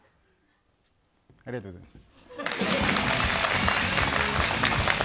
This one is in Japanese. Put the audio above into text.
ありがとうございます。